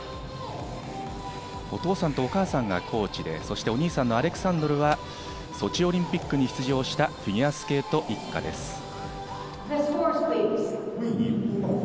お父さんとお母さんがコーチでお兄さんのアレクサンドルはソチオリンピックに出場したフィギュアスケート一家です。